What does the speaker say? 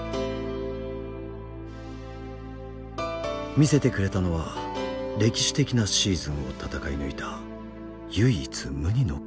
見せてくれたのは歴史的なシーズンを闘い抜いた唯一無二の勲章。